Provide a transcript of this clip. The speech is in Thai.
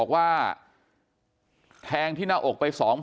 กลุ่มตัวเชียงใหม่